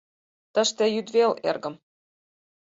— Тыште йӱдвел, эргым.